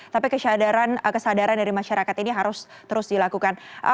tapi kesadaran dari masyarakat ini harus terus dilakukan